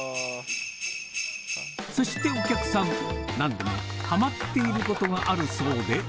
そしてお客さん、なんでもはまっていることがあるそうで。